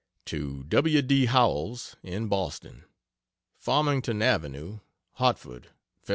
To W. D. Howells, in Boston: FARMINGTON AVE, Hartford Feb.